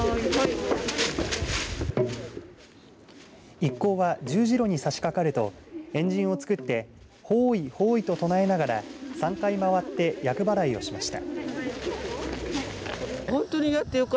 一行は、十字路にさしかかると円陣を作ってほーい、ほーいと唱えながら３回回って厄払いをしました。